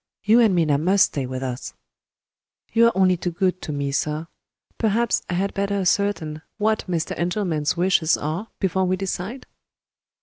you and Minna must stay with us." "You are only too good to me, sir! Perhaps I had better ascertain what Mr. Engelman's wishes are, before we decide?"